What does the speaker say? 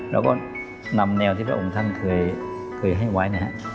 แล้วก็นำแนวที่พระองค์ท่านเคยให้ไว้นะครับ